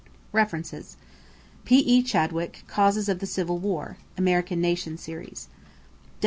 =References= P.E. Chadwick, Causes of the Civil War (American Nation Series).